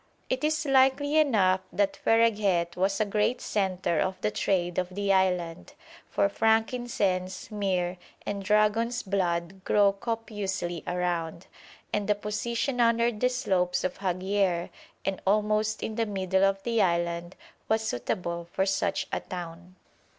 It is likely enough that Fereghet was a great centre of the trade of the island, for frankincense, myrrh, and dragon's blood grow copiously around, and the position under the slopes of Haghier, and almost in the middle of the island, was suitable for such a town.